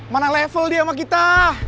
mana level dia sama kita